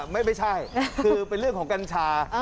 ไม่ใช่คือเป็นเรื่องของกัญชา